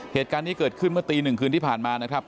เหตุการณ์นี้เกิดขึ้นเมื่อตีหนึ่งคืนที่ผ่านมานะครับ